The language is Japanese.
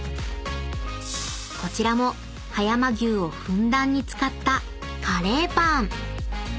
［こちらも葉山牛をふんだんに使ったカレーパン］